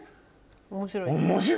面白い。